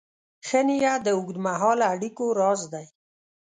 ښه نیت د اوږدمهاله اړیکو راز دی.